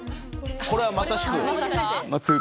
これはまさしく。